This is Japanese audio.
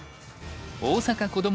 大阪こども